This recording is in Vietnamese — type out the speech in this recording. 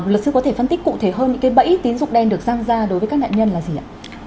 lực sư có thể phân tích cụ thể hơn những bẫy tiến dụng đen được gian ra đối với các nạn nhân là gì ạ